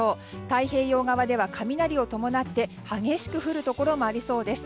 太平洋側では雷を伴って激しく降るところもありそうです。